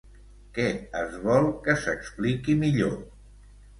Què es vol que s'expliqui millor?